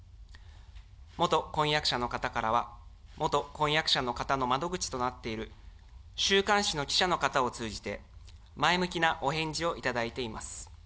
元婚約者の方からは、元婚約者の方の窓口となっている週刊誌の記者の方を通じて、前向きなお返事をいただいています。